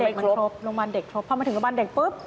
เด็กมันครบโรงพยาบาลเด็กครบพอมาถึงโรงพยาบาลเด็กปุ๊บ